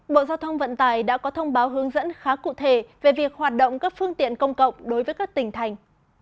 bộ giao thông vận tải đã có thông báo hướng dẫn khá cụ thể về việc hoạt động các phương tiện công cộng đối với các tỉnh thành